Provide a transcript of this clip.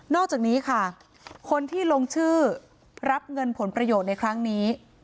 อกจากนี้ค่ะคนที่ลงชื่อรับเงินผลประโยชน์ในครั้งนี้